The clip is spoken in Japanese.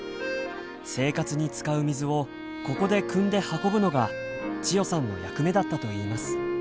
生活に使う水をここでくんで運ぶのが千代さんの役目だったといいます。